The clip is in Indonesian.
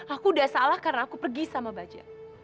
aku udah salah karena aku pergi sama baja